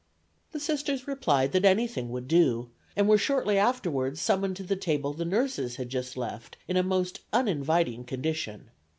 The Sisters replied that anything would do, and were shortly afterwards summoned to the table the nurses had just left in a most uninviting condition.